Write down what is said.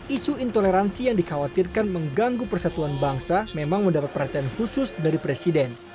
isu intoleransi yang dikhawatirkan mengganggu persatuan bangsa memang mendapat perhatian khusus dari presiden